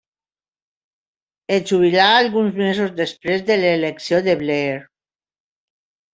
Es jubilà alguns mesos després de l'elecció de Blair.